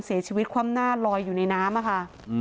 เสียชีวิตความหน้าลอยอยู่ในน้ำค่ะ